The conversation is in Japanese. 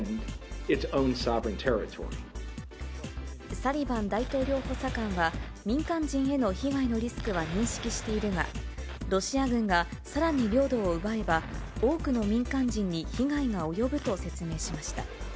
サリバン大統領補佐官は、民間人への被害のリスクは認識しているが、ロシア軍がさらに領土を奪えば、多くの民間人に被害が及ぶと説明しました。